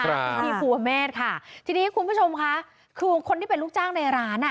ที่ภูวเมฆค่ะทีนี้คุณผู้ชมค่ะคือคนที่เป็นลูกจ้างในร้านอ่ะ